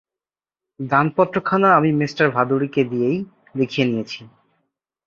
দানপত্রখানা আমি মিস্টার ভাদুড়িকে দিয়েই লিখিয়ে নিয়েছি।